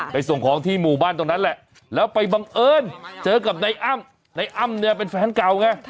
ส่งของที่หมู่บ้านตรงนั้นแหละแล้วไปบังเอิญเจอกับนายอ้ำในอ้ำเนี่ยเป็นแฟนเก่าไง